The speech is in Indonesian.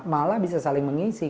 malah bisa saling mengisi